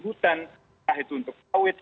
hutan apakah itu untuk kawit